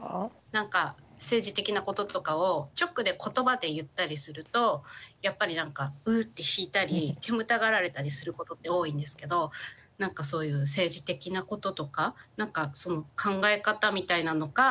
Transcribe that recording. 何か政治的なこととかを直で言葉で言ったりするとやっぱり何かうって引いたり煙たがられたりすることって多いんですけど何かそういう政治的なこととか考え方みたいなのか